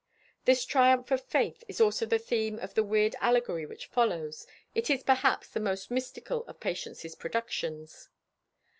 This triumph of faith is also the theme of the weird allegory which follows. It is, perhaps, the most mystical of Patience's productions.